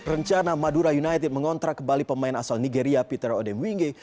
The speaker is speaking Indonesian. rencana madura united mengontrak kembali pemain asal nigeria peter odem winge